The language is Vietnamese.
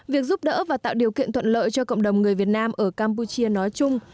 việc giúp đỡ và tạo điều kiện thuận lợi cho cộng đồng người việt nam ở campuchia nói chung